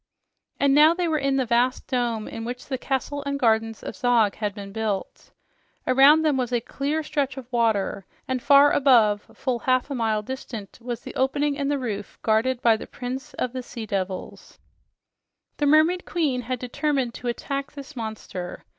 And now they were in the vast dome in which the castle and gardens of Zog had been built. Around them was a clear stretch of water, and far above full half a mile distant was the opening in the roof guarded by the prince of the sea devils. The mermaid queen had determined to attack this monster.